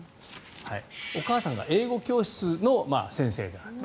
お母さんが英語教室の先生であると。